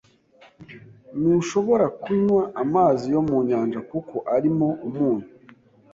Ntushobora kunywa amazi yo mu nyanja kuko arimo umunyu.